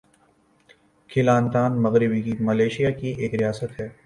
"Kelantan" مغربی Malaysia کی ایک ریاست ہے۔